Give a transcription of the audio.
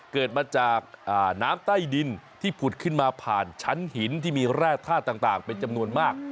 เกิดมาจากน้ำใต้ดินที่ผุดขึ้นมาผ่านชั้นหินที่มีแร่ธาตุต่างเป็นจำนวนมาก